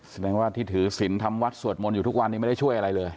แสดงว่าที่ถือศิลป์ทำวัดสวดมนต์อยู่ทุกวันนี้ไม่ได้ช่วยอะไรเลย